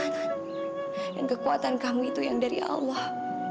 dan kekuatan kamu itu yang dari allah